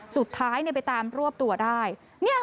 สุดท้ายไปตามรวบตัวได้